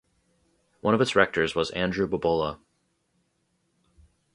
One of its rectors was Andrew Bobola.